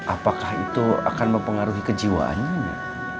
apakah itu akan mempengaruhi kejiwaannya